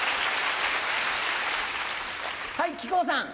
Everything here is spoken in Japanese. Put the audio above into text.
はい木久扇さん。